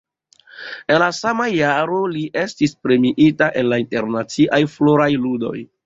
En la sama jaro li estis premiita en la Internaciaj Floraj Ludoj.